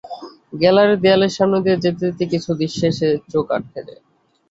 গ্যালারির দেয়ালের সামনে দিয়ে যেতে যেতে কিছু কিছু দৃশ্যে এসে চোখ আটকে যায়।